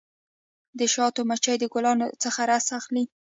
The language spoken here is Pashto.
د شاتو مچۍ د ګلانو څخه رس اخلي.